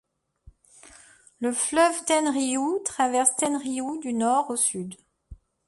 Le fleuve Tenryū traverse Tenryū du nord au sud.